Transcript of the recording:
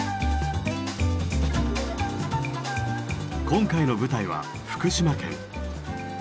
今回の舞台は福島県。